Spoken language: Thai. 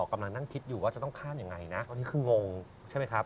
กำลังนั่งคิดอยู่ว่าจะต้องข้ามยังไงนะตอนนี้คืองงใช่ไหมครับ